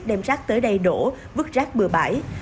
đem rác tới đây đổ vứt rác bừa bãi